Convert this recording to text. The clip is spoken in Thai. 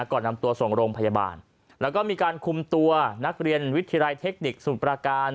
ก่อนนำตัวส่งโรงพยาบาลแล้วก็มีการคุมตัวนักเรียนวิทยาลัยเทคนิคสมุทรประการ